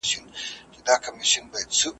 هر نفس دی لکه عطر د سره گل په شان لگېږی ,